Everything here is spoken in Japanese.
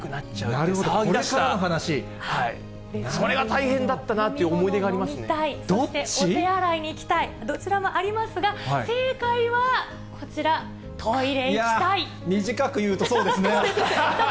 なるほど、それが大変だったなって思い飲み物を飲みたい、そしてお手洗いに行きたい、どちらもありますが、正解はこちら、短く言うとそうですね。